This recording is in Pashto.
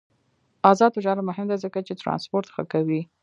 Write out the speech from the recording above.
آزاد تجارت مهم دی ځکه چې ترانسپورت ښه کوي.